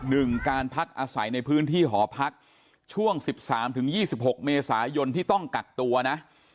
หนึ่งการพักอาศัยในพื้นที่หอพักช่วง๑๓๒๖เมษายนที่ต้องกักตัวนะ